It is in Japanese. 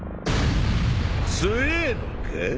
強えのか？